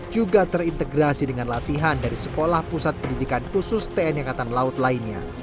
juga terintegrasi dengan latihan dari sekolah pusat pendidikan khusus tni angkatan laut lainnya